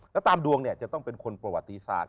แล้วตามดวงเนี่ยจะต้องเป็นคนประวัติศาสต